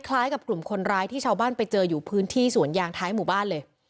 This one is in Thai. คล้ายกับกลุ่มคนร้ายที่ชาวบ้านไปเจออยู่พื้นที่สวนยางท้ายหมู่บ้านเลย